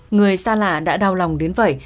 người xa lạ đã đau lòng đến vậy